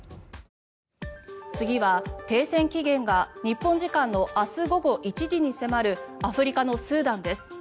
次は、停戦期限が日本時間の明日午後１時に迫るアフリカのスーダンです。